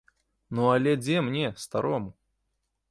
Ну але дзе мне, старому?